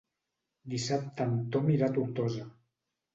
Dissabte en Tom irà a Tortosa.